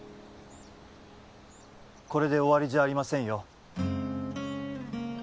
これで終わりじゃありませんよ